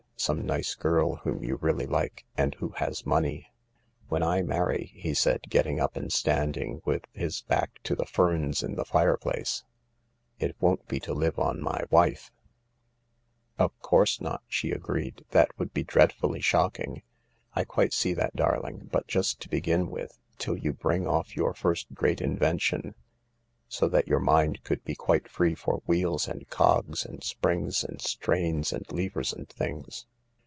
Some nice girl whom you really like and who has money." " When I marry," he said, getting up and standing with his back to the ferns in the fireplace, " it won't be to live on my wife." 12 THE LARK " Of course not," she agreed ;" that would be dreadfully shockmg I quite see that, darling. But just to begii! with til] .you bring off your first great invention so that your mind could be quite free for wheels and cogs and springs and strains . and levers and things.